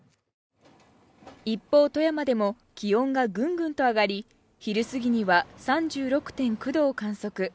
一方、富山でも気温がグングンと上がり昼すぎには、３６．９度を観測。